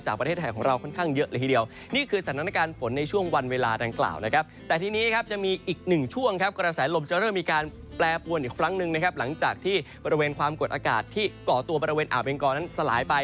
จากประเทศไทยของเราค่อนข้างเยอะเลย